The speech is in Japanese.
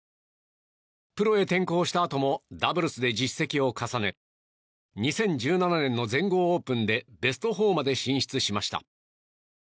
プロへ転向したあともダブルスで実績を重ね２０１７年の全豪オープンでベスト４まで進出しました。